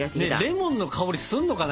レモンの香りがするのかな？